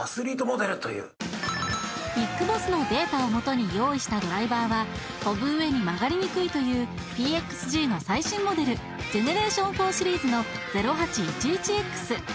ビッグボスのデータを元に用意したドライバーは飛ぶ上に曲がりにくいというＰＸＧの最新モデルＧＥＮ４シリーズの０８１１Ｘ